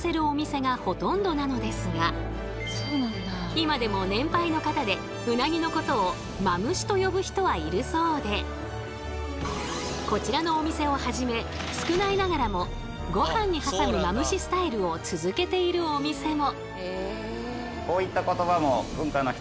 今でも年配の方でうなぎのことを「まむし」と呼ぶ人はいるそうでこちらのお店をはじめ少ないながらもごはんに挟む「まむし」スタイルを続けているお店も。